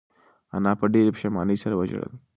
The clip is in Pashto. انا په ډېرې پښېمانۍ سره وژړل.